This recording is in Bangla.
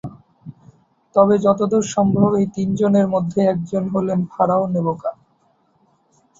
তবে যতদূর সম্ভব এই তিনজনের মধ্যে একজন হলেন ফারাও নেবকা।